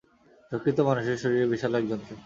যকৃত মানুষের শরীরের বিশাল এক যন্ত্র।